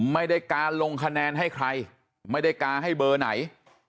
ไม่ได้การลงคะแนนให้ใครไม่ได้การให้เบอร์ไหน